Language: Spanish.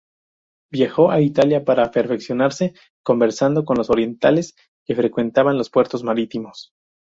Viajó a Italia para perfeccionarse, conversando con los orientales que frecuentaban los puertos marítimos.